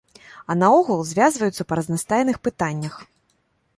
А наогул, звязваюцца па разнастайных пытаннях.